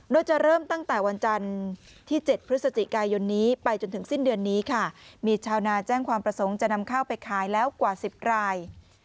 โดยจะเริ่มตั้งแต่วันจันทร์ที่๗พฤศจิกายนนี้ไปจนถึงสิ้นเดือนนี้ค่ะมีชาวนาแจ้งความประสงค์จะนำข้าวไปขายแล้วกว่า๑๐ราย